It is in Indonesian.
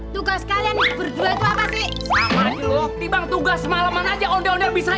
tukang sekalian berdua itu apa sih sama aja lo tibang tugas malam aja ondel bisa